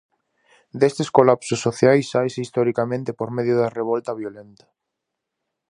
Destes colapsos sociais sáese historicamente por medio da revolta violenta.